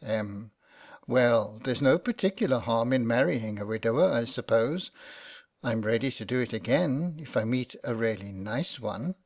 Em, : Well, there's no particular harm in marrying a widower, I suppose. Fm ready to do it again, if I meet a really nice one.